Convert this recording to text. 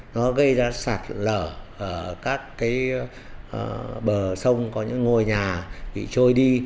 nó gây ra sạt lở ở các cái bờ sông có những ngôi nhà bị trôi đi